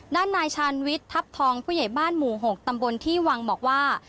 ด้านนายชาญวิทย์ทัพทองผู้ใหญ่บ้านหมู่๖ตำบลที่วังบอกว่า